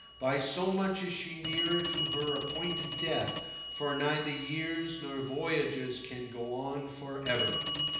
By so much is she nearer to her appointed death, for neither years nor voyages can go on for ever.